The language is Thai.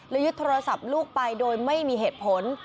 ยึดโทรศัพท์ลูกไปโดยไม่มีเหตุผล